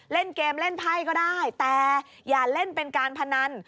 เล่นเกมเล่นไพ่ก็ได้แต่อย่าเล่นเป็นการพนัน